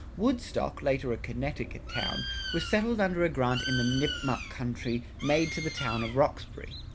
[59:1] Woodstock, later a Connecticut town, was settled under a grant in the Nipmuc country made to the town of Roxbury.